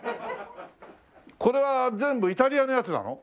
これは全部イタリアのやつなの？